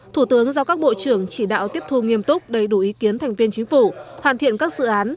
thủ tướng giao các bộ trưởng chỉ đạo tiếp thu nghiêm túc đầy đủ ý kiến thành viên chính phủ hoàn thiện các dự án